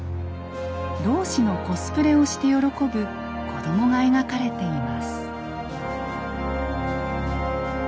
浪士のコスプレをして喜ぶ子供が描かれています。